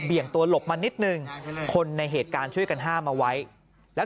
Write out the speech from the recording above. งตัวหลบมานิดนึงคนในเหตุการณ์ช่วยกันห้ามเอาไว้แล้ว